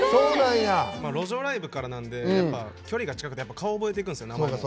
路上ライブからなんで距離が近くて顔を覚えていくんですよ。